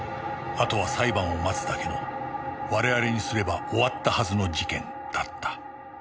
あとは裁判を待つだけの我々にすれば終わったはずの事件だった